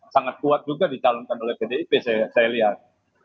sangat kuat juga dicalonkan oleh pdip saya lihat